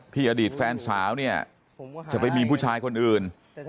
อดีตแฟนสาวเนี่ยจะไปมีผู้ชายคนอื่น